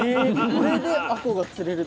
これであこうが釣れる？